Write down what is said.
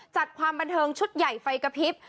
จัดความบันเทิงชุดใหญ่ไฟกระพริบ